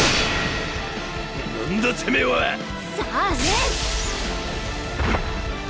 何だてめえはさあね！